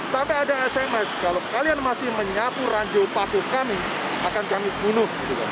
sampai ada sms kalau kalian masih menyapu ranjau paku kami akan kami bunuh